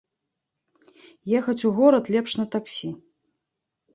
Ехаць у горад лепш на таксі.